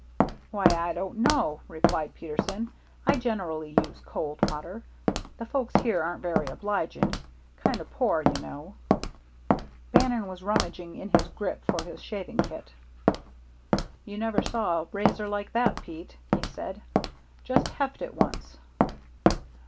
"Why, I don't know," replied Peterson. "I generally use cold water. The folks here ain't very obliging. Kind o' poor, you know." Bannon was rummaging in his grip for his shaving kit. "You never saw a razor like that, Pete," he said. "Just heft it once."